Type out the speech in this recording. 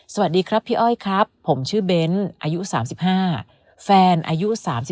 สวัสดีครับพี่อ้อยครับผมชื่อเบ้นอายุ๓๕แฟนอายุ๓๒